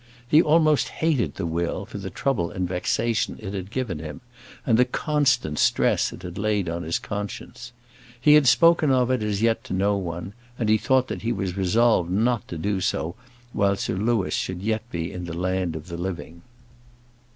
He almost hated the will for the trouble and vexation it had given him, and the constant stress it had laid on his conscience. He had spoken of it as yet to no one, and he thought that he was resolved not to do so while Sir Louis should yet be in the land of the living.